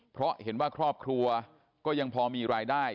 เพราะเห็นว่าครอบครัวก็ยังพอมีรายได้